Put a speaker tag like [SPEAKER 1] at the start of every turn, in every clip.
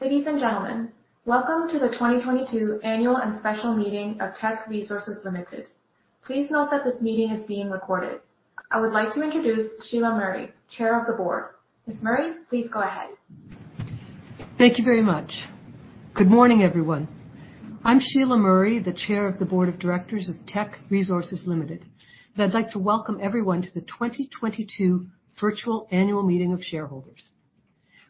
[SPEAKER 1] Ladies and gentlemen, welcome to the 2022 Annual and Special Meetings of Teck Resources Limited. Please note that this meeting is being recorded. I would like to introduce Sheila Murray, Chair of the Board. Ms. Murray, please go ahead.
[SPEAKER 2] Thank you very much. Good morning, everyone. I'm Sheila Murray, the Chair of the board of directors of Teck Resources Limited, and I'd like to welcome everyone to the 2022 virtual annual meeting of shareholders.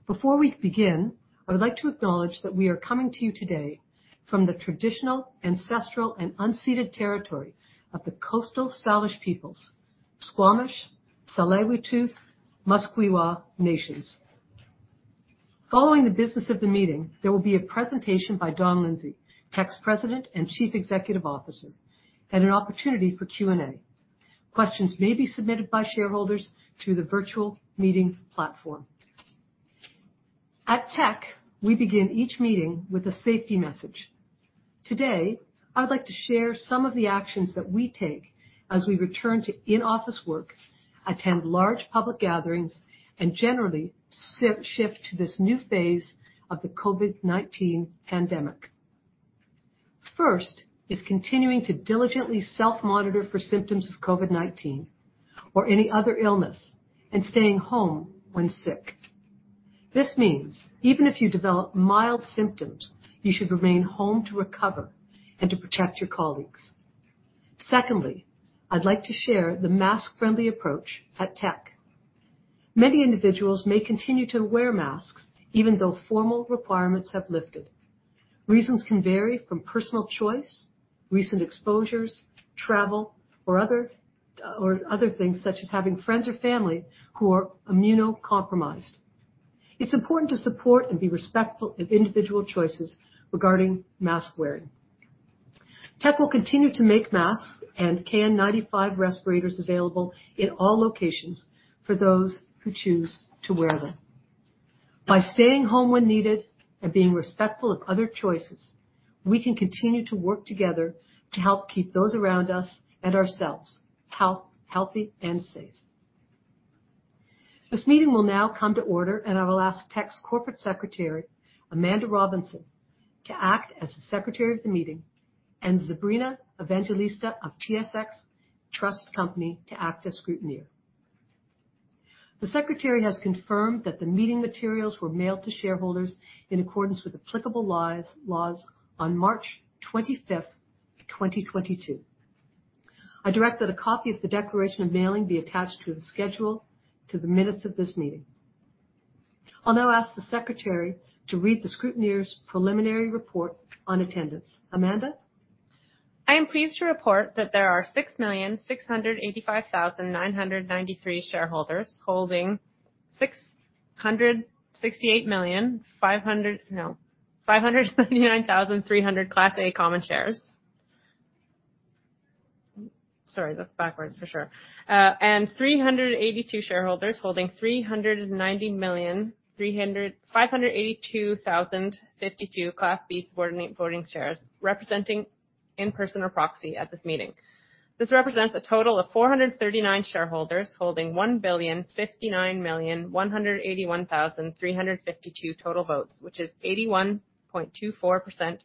[SPEAKER 2] Before we begin, I would like to acknowledge that we are coming to you today from the traditional, ancestral, and unceded territory of the Coast Salish peoples, Squamish, Tsleil-Waututh, Musqueam Nations. Following the business of the meeting, there will be a presentation by Don Lindsay, Teck's President and Chief Executive Officer, and an opportunity for Q&A. Questions may be submitted by shareholders through the virtual meeting platform. At Teck, we begin each meeting with a safety message. Today, I'd like to share some of the actions that we take as we return to in-office work, attend large public gatherings, and generally shift to this new phase of the COVID-19 pandemic. First is continuing to diligently self-monitor for symptoms of COVID-19 or any other illness and staying home when sick. This means even if you develop mild symptoms, you should remain home to recover and to protect your colleagues. Secondly, I'd like to share the mask-friendly approach at Teck. Many individuals may continue to wear masks even though formal requirements have lifted. Reasons can vary from personal choice, recent exposures, travel or other things such as having friends or family who are immunocompromised. It's important to support and be respectful of individual choices regarding mask-wearing. Teck will continue to make masks and KN95 respirators available in all locations for those who choose to wear them. By staying home when needed and being respectful of other choices, we can continue to work together to help keep those around us and ourselves healthy and safe. This meeting will now come to order, and I will ask Teck's corporate secretary, Amanda Robinson, to act as the secretary of the meeting and Zabrina Evangelista of TSX Trust Company to act as scrutineer. The secretary has confirmed that the meeting materials were mailed to shareholders in accordance with applicable laws on March twenty-fifth, twenty twenty-two. I direct that a copy of the declaration of mailing be attached to the schedule to the minutes of this meeting. I'll now ask the secretary to read the scrutineer's preliminary report on attendance. Amanda.
[SPEAKER 3] I am pleased to report that there are 6,685,993 shareholders holding 599,300 Class A common shares. Sorry, that's backwards for sure. 382 shareholders holding 390,582,052 Class B subordinate voting shares representing in person or proxy at this meeting. This represents a total of 439 shareholders holding 1,059,181,352 total votes, which is 81.24%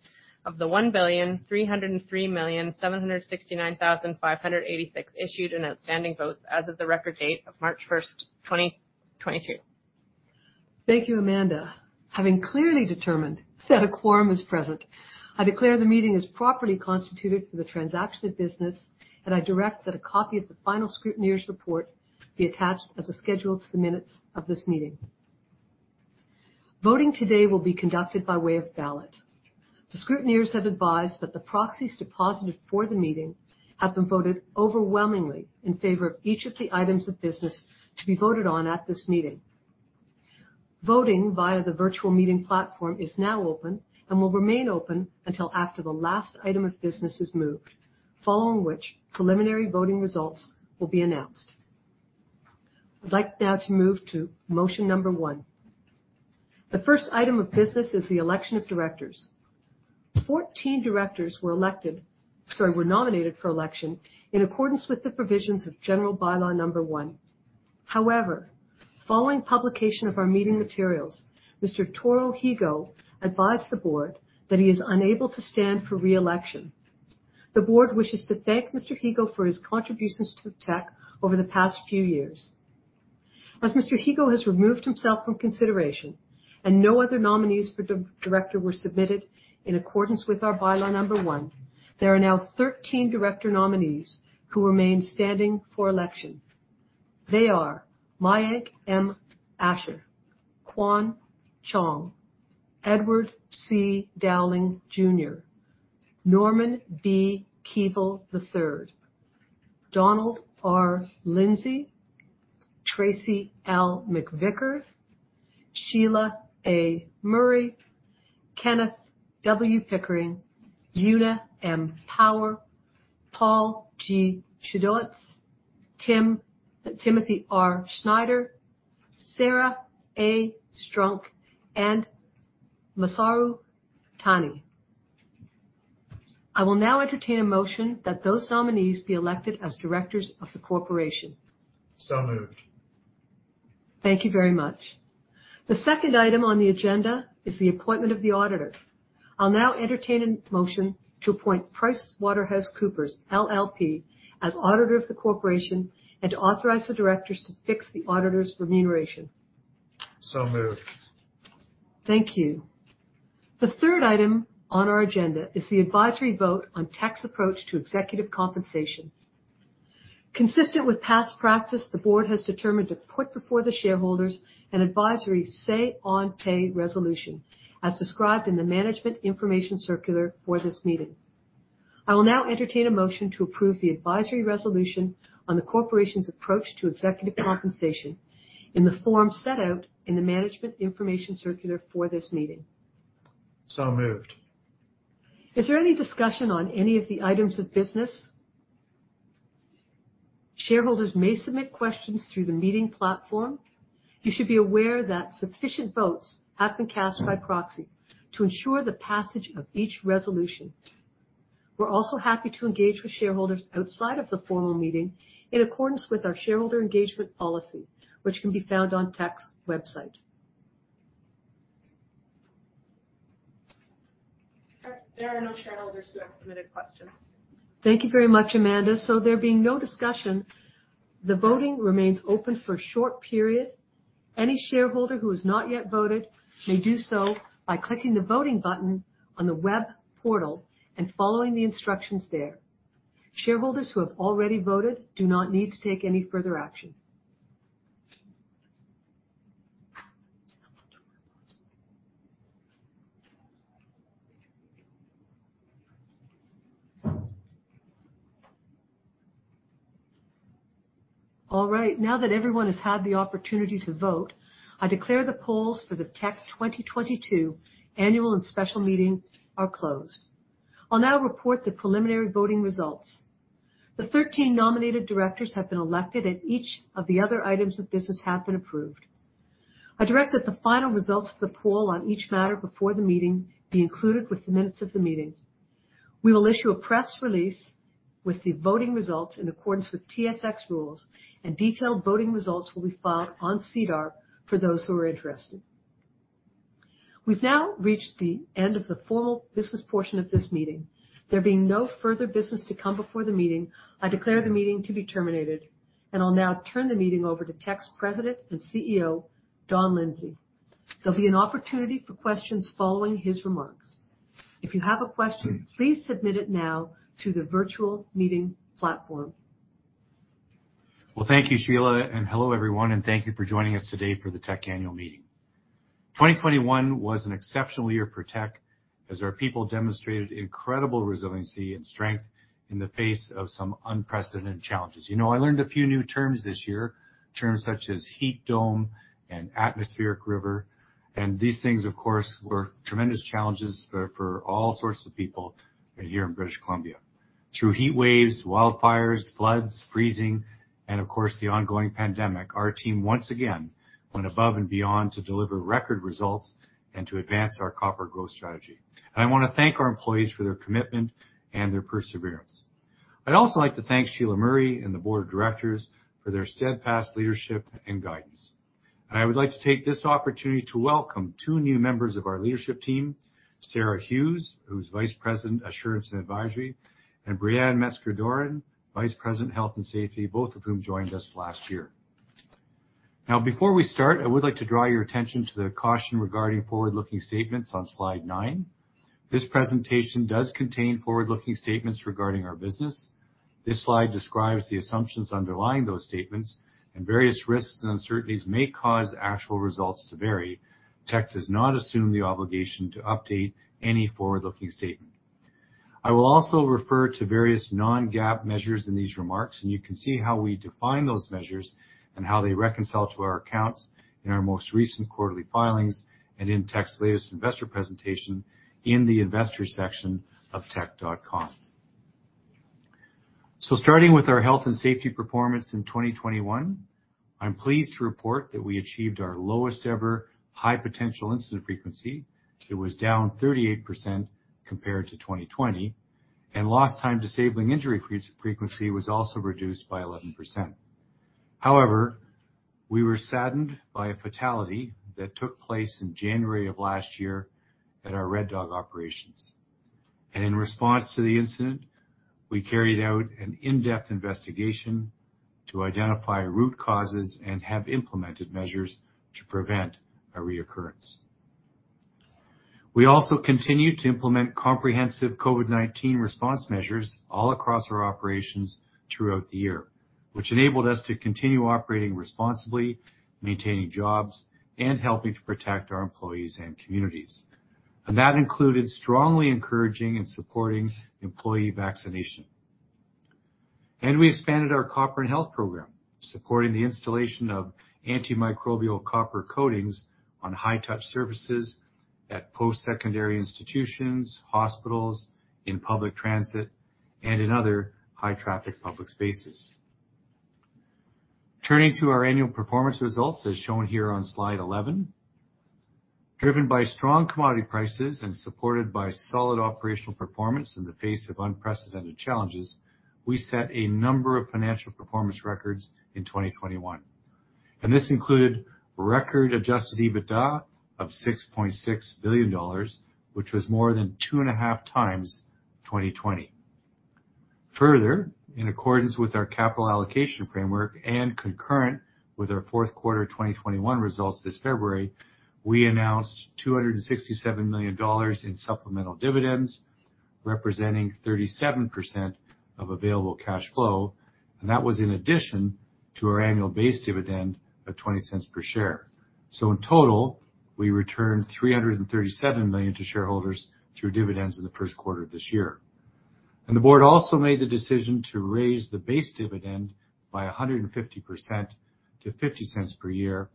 [SPEAKER 3] of the 1,303,769,586 issued and outstanding votes as of the record date of March 1, 2022.
[SPEAKER 2] Thank you, Amanda. Having clearly determined that a quorum is present, I declare the meeting is properly constituted for the transaction of business, and I direct that a copy of the final scrutineer's report be attached as a schedule to the minutes of this meeting. Voting today will be conducted by way of ballot. The scrutineers have advised that the proxies deposited for the meeting have been voted overwhelmingly in favor of each of the items of business to be voted on at this meeting. Voting via the virtual meeting platform is now open and will remain open until after the last item of business is moved, following which preliminary voting results will be announced. I'd like now to move to motion number 1. The first item of business is the election of directors. 14 directors were elected. They were nominated for election in accordance with the provisions of general bylaw number one. However, following publication of our meeting materials, Mr. Toru Higo advised the board that he is unable to stand for re-election. The board wishes to thank Mr. Higo for his contributions to Teck over the past few s. As Mr. Higo has removed himself from consideration and no other nominees for director were submitted in accordance with our bylaw number one, there are now 13 director nominees who remain standing for election. They are Mayank M. Ashar, Quan Chong, Edward C. Dowling Jr., Norman B. Keevil III, Donald R. Lindsay, Tracey L. McVicar, Sheila A. Murray, Kenneth W. Pickering, Una M. Power, Paul G. Schiodtz, Timothy R. Snider, Sarah A. Strunk, and Masaru Tani. I will now entertain a motion that those nominees be elected as directors of the corporation.
[SPEAKER 4] Moved.
[SPEAKER 2] Thank you very much. The second item on the agenda is the appointment of the auditor. I'll now entertain a motion to appoint PricewaterhouseCoopers LLP as auditor of the corporation and to authorize the directors to fix the auditor's remuneration.
[SPEAKER 4] Moved.
[SPEAKER 2] Thank you. The third item on our agenda is the advisory vote on Teck's approach to executive compensation. Consistent with past practice, the board has determined to put before the shareholders an advisory say-on-pay resolution, as described in the management information circular for this meeting. I will now entertain a motion to approve the advisory resolution on the corporation's approach to executive compensation in the form set out in the management information circular for this meeting.
[SPEAKER 4] Moved.
[SPEAKER 2] Is there any discussion on any of the items of business? Shareholders may submit questions through the meeting platform. You should be aware that sufficient votes have been cast by proxy to ensure the passage of each resolution. We're also happy to engage with shareholders outside of the formal meeting in accordance with our shareholder engagement policy, which can be found on Teck's website.
[SPEAKER 3] There are no shareholders who have submitted questions.
[SPEAKER 2] Thank you very much, Amanda. There being no discussion, the voting remains open for a short period. Any shareholder who has not yet voted may do so by clicking the voting button on the web portal and following the instructions there. Shareholders who have already voted do not need to take any further action. All right. Now that everyone has had the opportunity to vote, I declare the polls for the Teck 2022 annual and special meeting are closed. I'll now report the preliminary voting results. The 13 nominated directors have been elected, and each of the other items of business have been approved. I direct that the final results of the poll on each matter before the meeting be included with the minutes of the meeting. We will issue a press release with the voting results in accordance with TSX rules, and detailed voting results will be filed on SEDAR for those who are interested. We've now reached the end of the formal business portion of this meeting. There being no further business to come before the meeting, I declare the meeting to be terminated, and I'll now turn the meeting over to Teck's president and CEO, Don Lindsay. There'll be an opportunity for questions following his remarks. If you have a question, please submit it now to the virtual meeting platform.
[SPEAKER 5] Well, thank you, Sheila, and hello, everyone, and thank you for joining us today for the Teck annual meeting. 2021 was an exceptional year for Teck, as our people demonstrated incredible resiliency and strength in the face of some unprecedented challenges. You know, I learned a few new terms this year, terms such as heat dome and atmospheric river, and these things, of course, were tremendous challenges for all sorts of people right here in British Columbia. Through heat waves, wildfires, floods, freezing, and of course, the ongoing pandemic, our team once again went above and beyond to deliver record results and to advance our copper growth strategy. I wanna thank our employees for their commitment and their perseverance. I'd also like to thank Sheila Murray and the board of directors for their steadfast leadership and guidance. I would like to take this opportunity to welcome two new members of our leadership team, Sarah Hughes, who's Vice President, Assurance and Advisory, and Brianne Metzger-Doran, Vice President, Health and Safety, both of whom joined us last year. Now, before we start, I would like to draw your attention to the caution regarding forward-looking statements on slide nine. This presentation does contain forward-looking statements regarding our business. This slide describes the assumptions underlying those statements, and various risks and uncertainties may cause actual results to vary. Teck does not assume the obligation to update any forward-looking statement. I will also refer to various non-GAAP measures in these remarks, and you can see how we define those measures and how they reconcile to our accounts in our most recent ly filings and in Teck's latest investor presentation in the investor section of teck.com. Starting with our health and safety performance in 2021, I'm pleased to report that we achieved our lowest ever high potential incident frequency. It was down 38% compared to 2020, and lost time disabling injury frequency was also reduced by 11%. However, we were saddened by a fatality that took place in January of last year at our Red Dog operations. In response to the incident, we carried out an in-depth investigation to identify root causes and have implemented measures to prevent a reoccurrence. We also continued to implement comprehensive COVID-19 response measures all across our operations throughout the year, which enabled us to continue operating responsibly, maintaining jobs, and helping to protect our employees and communities. That included strongly encouraging and supporting employee vaccination. We expanded our Copper & Health program, supporting the installation of antimicrobial copper coatings on high-touch surfaces at post-secondary institutions, hospitals, in public transit, and in other high-traffic public spaces. Turning to our annual performance results as shown here on slide 11. Driven by strong commodity prices and supported by solid operational performance in the face of unprecedented challenges, we set a number of financial performance records in 2021, and this included record adjusted EBITDA of $6.6 billion, which was more than 2.5 times 2020. Further, in accordance with our capital allocation framework and concurrent with our fourth quarter 2021 results this February, we announced $267 million in supplemental dividends, representing 37% of available cash flow, and that was in addition to our annual base dividend of $0.20 per share. In total, we returned 337 million to shareholders through dividends in the Q1 of this year. The board also made the decision to raise the base dividend by 150% to 0.50 per year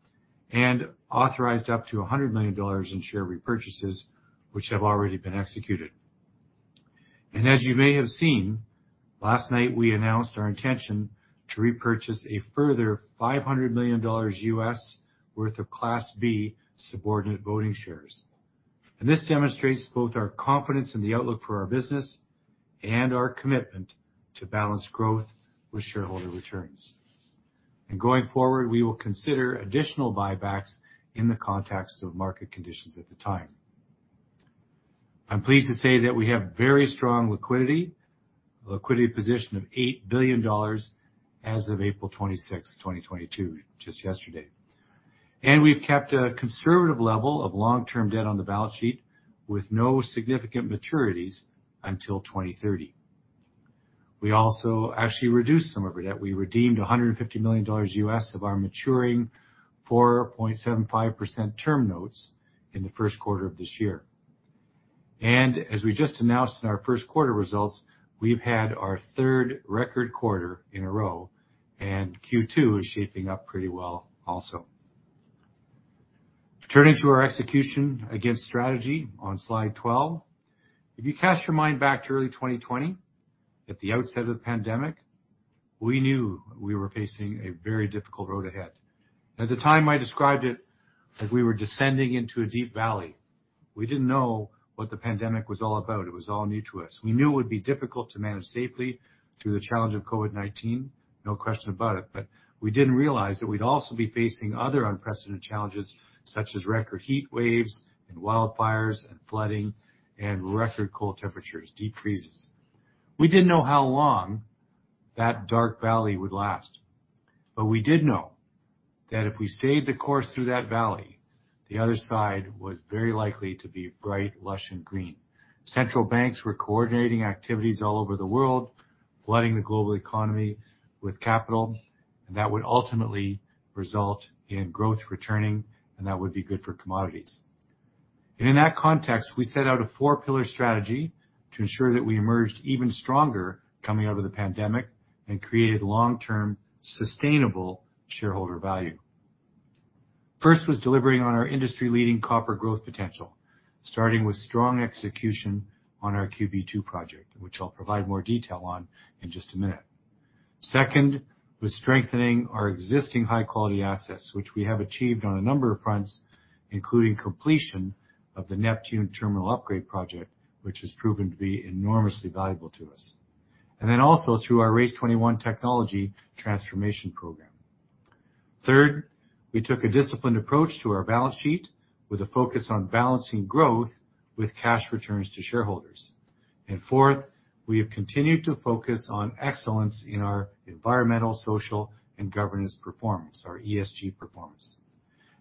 [SPEAKER 5] and authorized up to 100 million dollars in share repurchases, which have already been executed. As you may have seen, last night, we announced our intention to repurchase a further $500 million US worth of Class B subordinate voting shares. This demonstrates both our confidence in the outlook for our business and our commitment to balanced growth with shareholder returns. Going forward, we will consider additional buybacks in the context of market conditions at the time. I'm pleased to say that we have very strong liquidity position of 8 billion dollars as of April 26, 2022, just yesterday. We've kept a conservative level of long-term debt on the balance sheet with no significant maturities until 2030. We also actually reduced some of our debt. We redeemed $150 million of our maturing 4.75% term notes in the Q1 of this year. As we just announced in our Q1 results, we've had our third record quarter in a row, and Q2 is shaping up pretty well also. Turning to our execution against strategy on slide 12. If you cast your mind back to early 2020, at the outset of the pandemic, we knew we were facing a very difficult road ahead. At the time, I described it like we were descending into a deep valley. We didn't know what the pandemic was all about. It was all new to us. We knew it would be difficult to manage safely through the challenge of COVID-19, no question about it, but we didn't realize that we'd also be facing other unprecedented challenges, such as record heat waves and wildfires and flooding and record cold temperatures, deep freezes. We didn't know how long that dark valley would last, but we did know that if we stayed the course through that valley, the other side was very likely to be bright, lush, and green. Central banks were coordinating activities all over the world, flooding the global economy with capital, and that would ultimately result in growth returning, and that would be good for commodities. In that context, we set out a four-pillar strategy to ensure that we emerged even stronger coming out of the pandemic and created long-term sustainable shareholder value. First was delivering on our industry-leading copper growth potential, starting with strong execution on our QB2 project, which I'll provide more detail on in just a minute. Second was strengthening our existing high-quality assets, which we have achieved on a number of fronts, including completion of the Neptune Terminal Upgrade project, which has proven to be enormously valuable to us. Then also through our Race 21 technology transformation program. Third, we took a disciplined approach to our balance sheet with a focus on balancing growth with cash returns to shareholders. Fourth, we have continued to focus on excellence in our environmental, social, and governance performance, our ESG performance.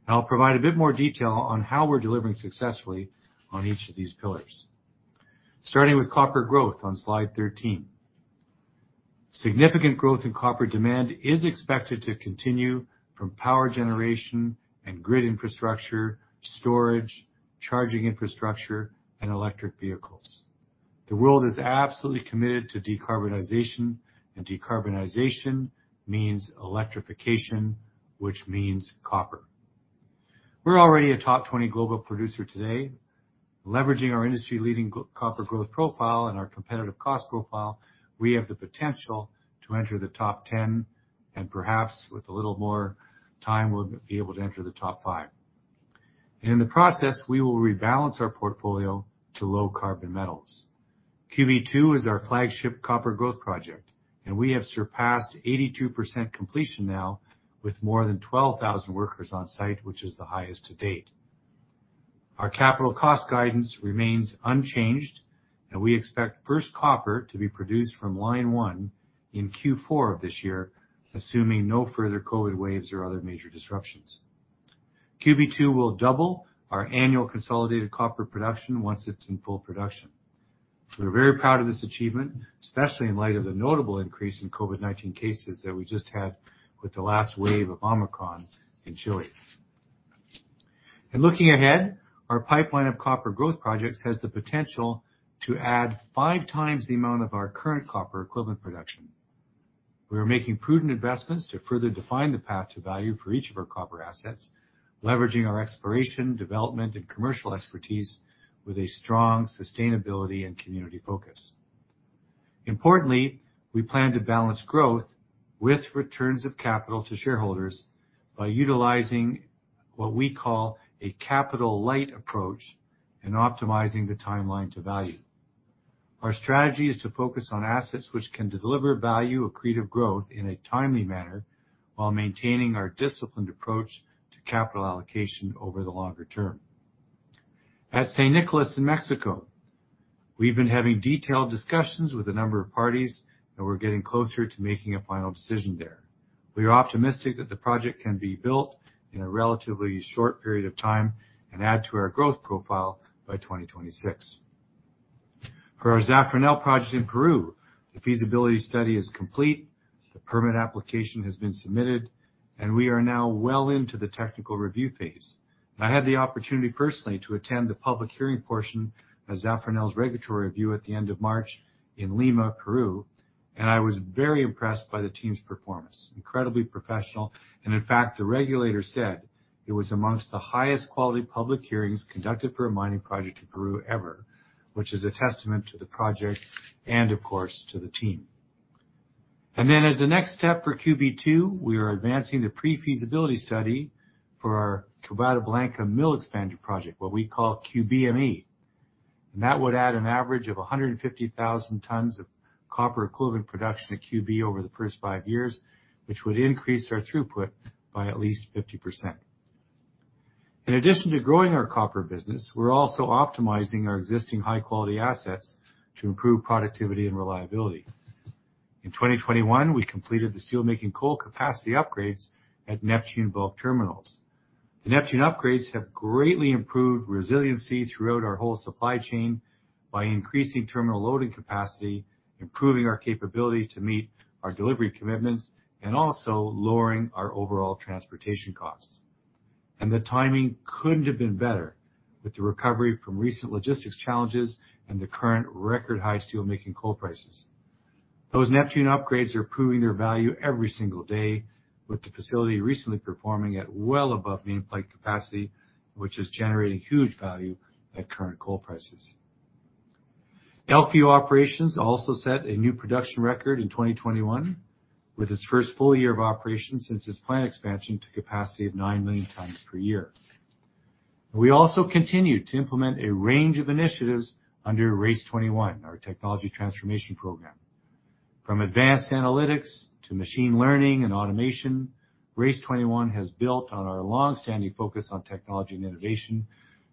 [SPEAKER 5] Now I'll provide a bit more detail on how we're delivering successfully on each of these pillars. Starting with copper growth on slide 13. Significant growth in copper demand is expected to continue from power generation and grid infrastructure, storage, charging infrastructure, and electric vehicles. The world is absolutely committed to decarbonization, and decarbonization means electrification, which means copper. We're already a top 20 global producer today. Leveraging our industry-leading copper growth profile and our competitive cost profile, we have the potential to enter the top 10, and perhaps with a little more time, we'll be able to enter the top 5. In the process, we will rebalance our portfolio to low carbon metals. QB2 is our flagship copper growth project, and we have surpassed 82% completion now with more than 12,000 workers on site, which is the highest to date. Our capital cost guidance remains unchanged, and we expect first copper to be produced from line one in Q4 of this year, assuming no further COVID waves or other major disruptions. QB2 will double our annual consolidated copper production once it's in full production. We're very proud of this achievement, especially in light of the notable increase in COVID-19 cases that we just had with the last wave of Omicron in Chile. Looking ahead, our pipeline of copper growth projects has the potential to add five times the amount of our current copper equivalent production. We are making prudent investments to further define the path to value for each of our copper assets, leveraging our exploration, development, and commercial expertise with a strong sustainability and community focus. Importantly, we plan to balance growth with returns of capital to shareholders by utilizing what we call a capital-light approach and optimizing the timeline to value. Our strategy is to focus on assets which can deliver value accretive growth in a timely manner while maintaining our disciplined approach to capital allocation over the longer term. At San Nicolás in Mexico, we've been having detailed discussions with a number of parties, and we're getting closer to making a final decision there. We are optimistic that the project can be built in a relatively short period of time and add to our growth profile by 2026. For our Zafranal project in Peru, the feasibility study is complete, the permit application has been submitted, and we are now well into the technical review phase. I had the opportunity personally to attend the public hearing portion of Zafranal's regulatory review at the end of March in Lima, Peru, and I was very impressed by the team's performance. Incredibly professional. In fact, the regulator said it was amongst the highest quality public hearings conducted for a mining project in Peru ever, which is a testament to the project and of course, to the team. As the next step for QB2, we are advancing the pre-feasibility study for our Quebrada Blanca Mill expansion project, what we call QBME. That would add an average of 150,000 tons of copper-equivalent production at QB over the first five years, which would increase our throughput by at least 50%. In addition to growing our copper business, we're also optimizing our existing high-quality assets to improve productivity and reliability. In 2021, we completed the steelmaking coal capacity upgrades at Neptune Bulk Terminals. The Neptune upgrades have greatly improved resiliency throughout our whole supply chain by increasing terminal loading capacity, improving our capability to meet our delivery commitments, and also lowering our overall transportation costs. The timing couldn't have been better with the recovery from recent logistics challenges and the current record high steelmaking coal prices. Those Neptune upgrades are proving their value every single day, with the facility recently performing at well above nameplate capacity, which is generating huge value at current coal prices. LPU operations also set a new production record in 2021, with its first full year of operation since its plant expansion to capacity of 9 million tonnes per year. We also continued to implement a range of initiatives under Race 21, our technology transformation program. From advanced analytics to machine learning and automation, Race 21 has built on our long-standing focus on technology and innovation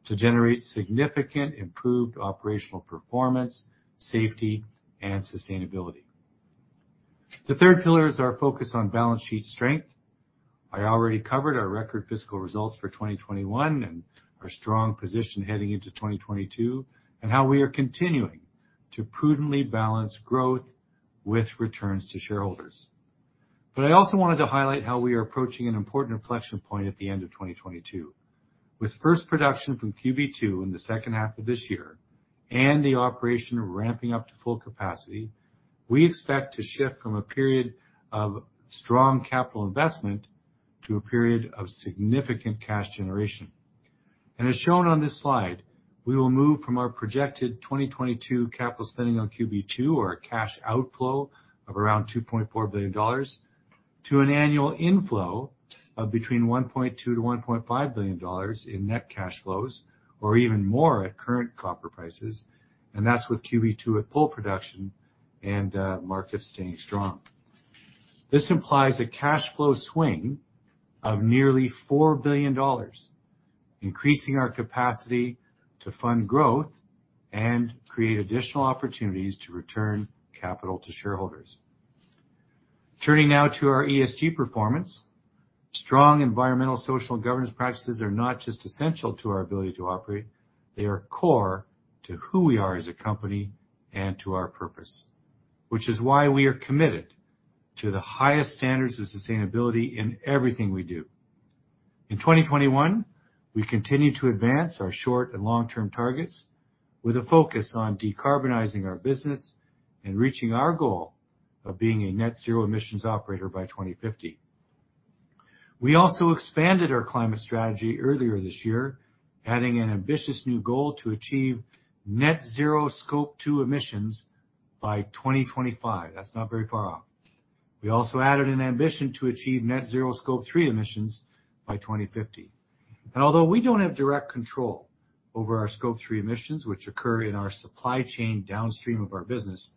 [SPEAKER 5] to generate significantly improved operational performance, safety, and sustainability. The third pillar is our focus on balance sheet strength. I already covered our record fiscal results for 2021 and our strong position heading into 2022, and how we are continuing to prudently balance growth with returns to shareholders. I also wanted to highlight how we are approaching an important inflection point at the end of 2022. With first production from QB Two in the second half of this year and the operation ramping up to full capacity, we expect to shift from a period of strong capital investment to a period of significant cash generation. As shown on this slide, we will move from our projected 2022 capital spending on QB Two or a cash outflow of around $2.4 billion to an annual inflow of between $1.2 billion-$1.5 billion in net cash flows or even more at current copper prices. That's with QB Two at full production and market staying strong. This implies a cash flow swing of nearly $4 billion, increasing our capacity to fund growth and create additional opportunities to return capital to shareholders. Turning now to our ESG performance. Strong environmental, social, and governance practices are not just essential to our ability to operate, they are core to who we are as a company and to our purpose, which is why we are committed to the highest standards of sustainability in everything we do. In 2021, we continued to advance our short and long-term targets with a focus on decarbonizing our business and reaching our goal of being a net zero emissions operator by 2050. We also expanded our climate strategy earlier this year, adding an ambitious new goal to achieve net zero Scope 2 emissions by 2025. That's not very far off. We also added an ambition to achieve net zero Scope 3 emissions by 2050. Although we don't have direct control over our Scope 3 emissions, which occur in our supply chain downstream of our business,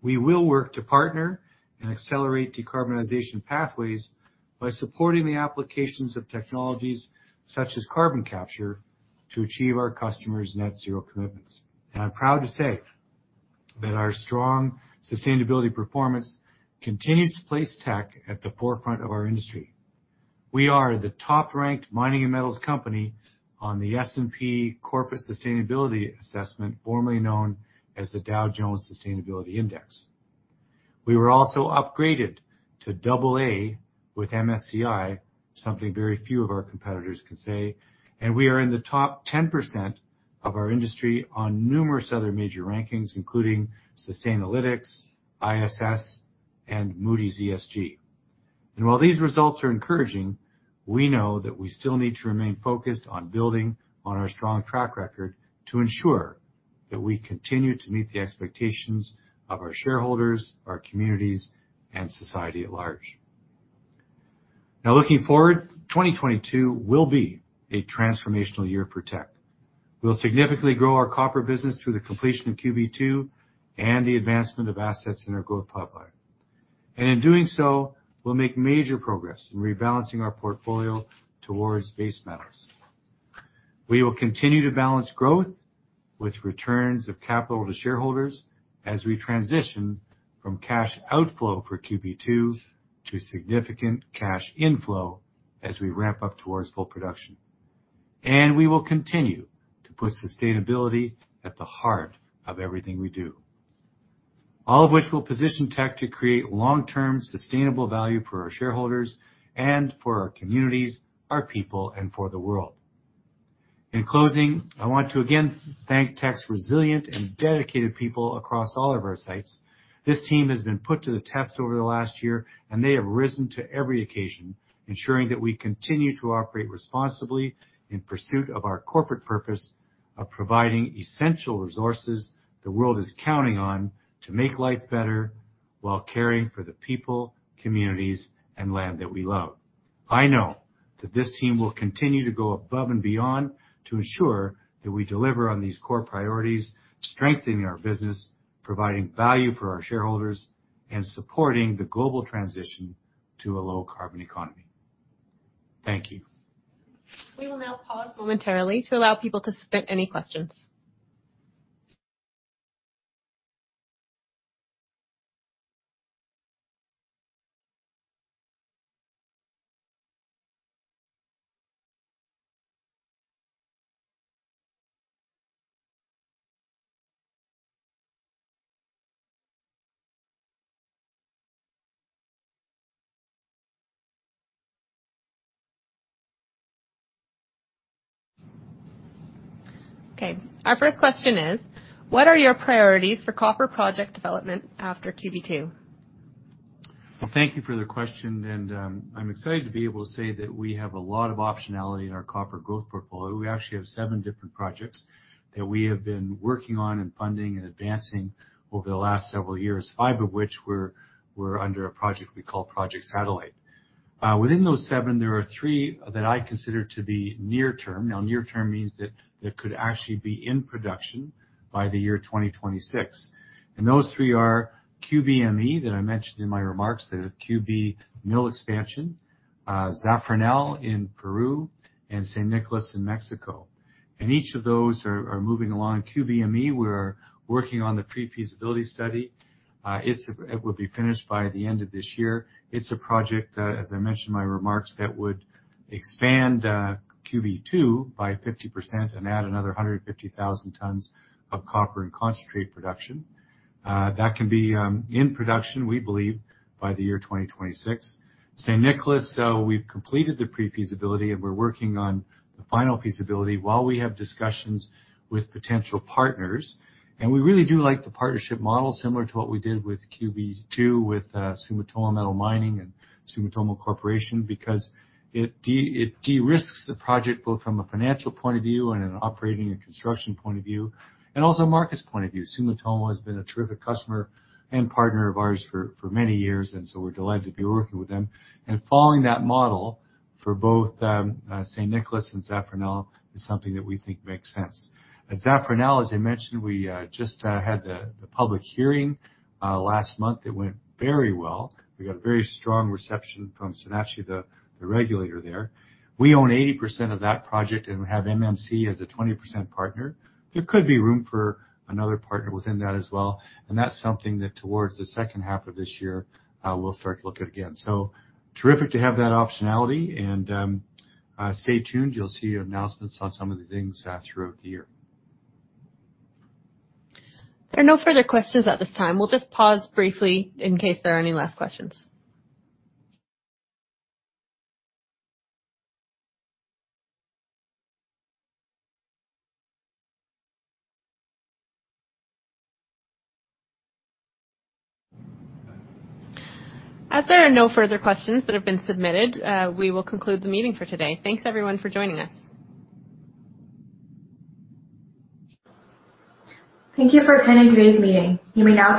[SPEAKER 5] we will work to partner and accelerate decarbonization pathways by supporting the applications of technologies such as carbon capture to achieve our customers' net zero commitments. I'm proud to say that our strong sustainability performance continues to place Teck at the forefront of our industry. We are the top-ranked mining and metals company on the S&P Global Corporate Sustainability Assessment, formerly known as the Dow Jones Sustainability Index. We were also upgraded to AA with MSCI, something very few of our competitors can say, and we are in the top 10% of our industry on numerous other major rankings, including Sustainalytics, ISS, and Moody's ESG. While these results are encouraging, we know that we still need to remain focused on building on our strong track record to ensure that we continue to meet the expectations of our shareholders, our communities, and society at large. Now, looking forward, 2022 will be a transformational year for Teck. We'll significantly grow our copper business through the completion of QB2 and the advancement of assets in our growth pipeline. In doing so, we'll make major progress in rebalancing our portfolio towards base metals. We will continue to balance growth with returns of capital to shareholders as we transition from cash outflow for QB2 to significant cash inflow as we ramp up towards full production. We will continue to put sustainability at the heart of everything we do. All of which will position Teck to create long-term sustainable value for our shareholders and for our communities, our people, and for the world. In closing, I want to again thank Teck's resilient and dedicated people across all of our sites. This team has been put to the test over the last year, and they have risen to every occasion, ensuring that we continue to operate responsibly in pursuit of our corporate purpose of providing essential resources the world is counting on to make life better while caring for the people, communities, and land that we love. I know that this team will continue to go above and beyond to ensure that we deliver on these core priorities, strengthening our business, providing value for our shareholders, and supporting the global transition to a low carbon economy. Thank you.
[SPEAKER 3] We will now pause momentarily to allow people to submit any questions. Okay, our first question is: What are your priorities for copper project development after QB Two?
[SPEAKER 5] Well, thank you for the question, and I'm excited to be able to say that we have a lot of optionality in our copper growth portfolio. We actually have seven different projects that we have been working on and funding and advancing over the last several years, five of which we're under a project we call Project Satellite. Within those seven, there are three that I consider to be near term. Now, near term means that they could actually be in production by the year 2026. Those three are QBME, that I mentioned in my remarks, the QB mill expansion, Zafranal in Peru, and San Nicolás in Mexico. Each of those are moving along. QBME, we're working on the pre-feasibility study. It will be finished by the end of this year. It's a project, as I mentioned in my remarks, that would expand QB2 by 50% and add another 150,000 tons of copper and concentrate production. That can be in production, we believe, by the year 2026. San Nicolás, we've completed the pre-feasibility, and we're working on the final feasibility while we have discussions with potential partners. We really do like the partnership model similar to what we did with QB2 with Sumitomo Metal Mining and Sumitomo Corporation, because it de-risks the project, both from a financial point of view and an operating and construction point of view, and also a markets point of view. Sumitomo has been a terrific customer and partner of ours for many years, and so we're delighted to be working with them. Following that model for both San Nicolás and Zafranal is something that we think makes sense. At Zafranal, as I mentioned, we just had the public hearing last month. It went very well. We got a very strong reception from SENACE, the regulator there. We own 80% of that project, and we have MMG as a 20% partner. There could be room for another partner within that as well, and that's something that towards the second half of this year we'll start to look at again. Terrific to have that optionality and stay tuned. You'll see announcements on some of the things throughout the year.
[SPEAKER 3] There are no further questions at this time. We'll just pause briefly in case there are any last questions. As there are no further questions that have been submitted, we will conclude the meeting for today. Thanks, everyone, for joining us.
[SPEAKER 5] Thank you for attending today's meeting. You may now.